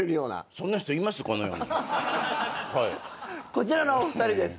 こちらのお二人です。